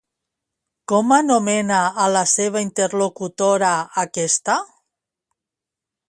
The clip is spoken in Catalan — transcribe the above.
Com anomena a la seva interlocutora, aquesta?